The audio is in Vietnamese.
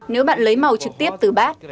nếu bạn lấy màu trực tiếp từ bát